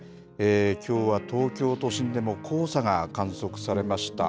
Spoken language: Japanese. きょうは東京都心でも黄砂が観測されました。